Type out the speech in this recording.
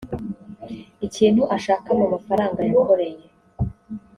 ikintu ashaka mu mafaranga yakoreye